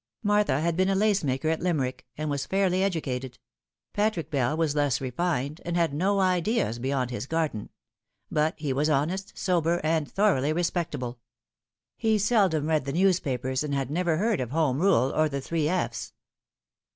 Martha had been a lace maker at Limerick, and was fairly educated. Patrick Bell was less refined, and had no ideas beyond his garden ; but he \ras honest, sober, and 20 The Fatal Three. thoroughly respectable. He seldom read the newspapers, and had never heard of Home Rule or the three F.